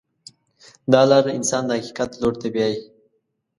دا لاره انسان د حقیقت لور ته بیایي.